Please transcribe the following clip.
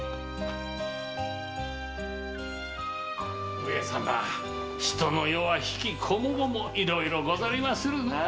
上様人の世は悲喜こもごもいろいろござりまするなあ。